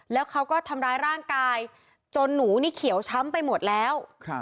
แล้วเขาก็ทำร้ายร่างกายจนหนูนี่เขียวช้ำไปหมดแล้ว